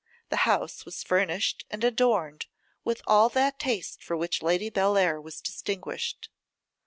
The house was furnished and adorned with all that taste for which Lady Bellair was distinguished.